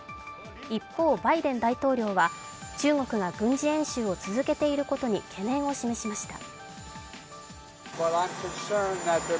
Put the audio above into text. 一方、バイデン大統領は中国が軍事演習を続けていることに懸念を示しました。